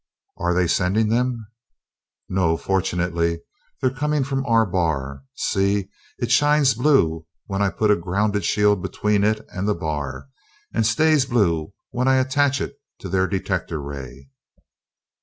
"Are they sending them?" "No, fortunately. They're coming from our bar. See, it shines blue when I put a grounded shield between it and the bar, and stays blue when I attach it to their detector ray."